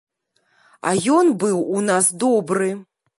А ён быў у нас добры.